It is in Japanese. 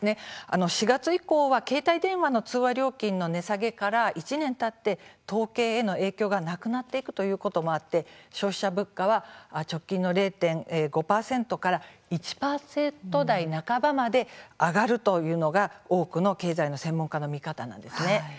４月以降は携帯電話の通話料金の値下げから１年たって統計への影響がなくなることもあって消費者物価は直近の０．５％から１％台半ばまで上がるというのが多くの経済の専門家の見方です。